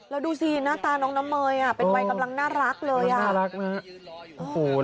แล้วดูสิหน้าตาน้องน้ำเมยเป็นวัยกำลังน่ารักเลย